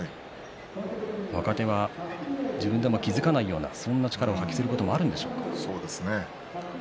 若手は自分でも気付かないようなそんな力を発揮することがそうですね